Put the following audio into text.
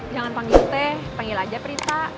jangan panggil teh panggil aja prita